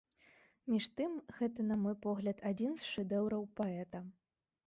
Між тым, гэта, на мой погляд, адзін з шэдэўраў паэта.